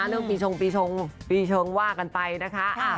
เรื่องปีชงว่ากันไปนะคะ